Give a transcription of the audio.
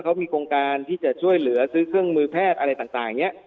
ในการซื้อเครื่องมือแพทย์อะไรต่างนี้